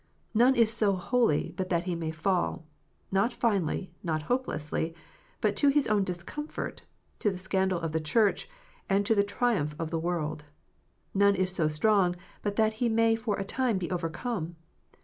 Kone is so holy, but that he may fall, not finally, not hopelessly, but to his own discomfort, to the scandal of the Church, and to the triumph of the world : none is so strong but that he may for a time be overcome.